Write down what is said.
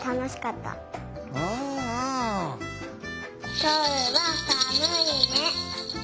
きょうはさむいね。